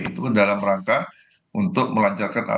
itu dalam rangka untuk melancarkan